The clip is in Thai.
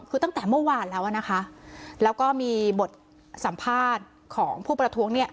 คือตั้งแต่เมื่อวานแล้วอ่ะนะคะแล้วก็มีบทสัมภาษณ์ของผู้ประท้วงเนี่ย